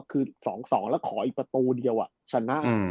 คือ๒๒แล้วขออีกประตูเดียวชนะ